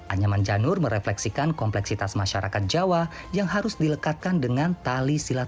anyaman janur merefleksikan kompleksitas masyarakat jawa yang harus dilekatkan dengan tali silaturah